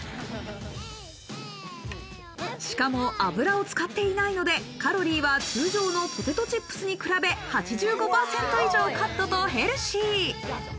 しかも油を使っていないのでカロリーは通常のポテトチップスに比べ、８５％以上カットとヘルシー。